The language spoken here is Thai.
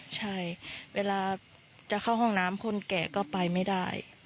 ใช่เวลาจะเข้าห้องน้ำคนแก่ก็ไปไม่ได้